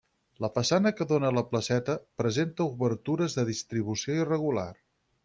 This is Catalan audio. La façana que dóna a la Placeta presenta obertures de distribució irregular.